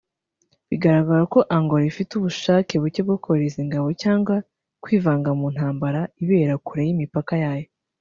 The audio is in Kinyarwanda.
Bigaragare ko Angola ifite ubushake buke bwo kohereza ingabo cyangwa kwivanga mu ntambara ibera kure y’imipaka yayo